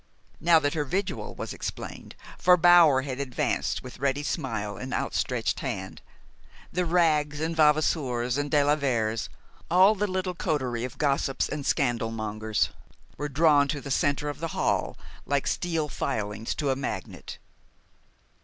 Now that her vigil was explained, for Bower had advanced with ready smile and outstretched hand, the Wraggs and Vavasours and de la Veres all the little coterie of gossips and scandalmongers were drawn to the center of the hall like steel filings to a magnet.